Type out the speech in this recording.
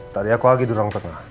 tari aku lagi di ruang tengah